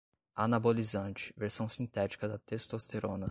anabolizante, versão sintética da testosterona